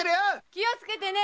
気をつけてね！